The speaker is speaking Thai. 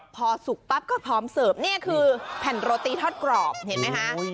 พอสุกปั๊บก็พร้อมเสิร์ฟนี่คือแผ่นโรตีทอดกรอบเห็นไหมคะ